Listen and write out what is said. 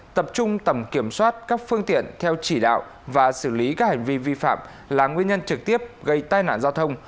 tập trung tầm kiểm soát các phương tiện theo chỉ đạo và xử lý các hành vi vi phạm là nguyên nhân trực tiếp gây tai nạn giao thông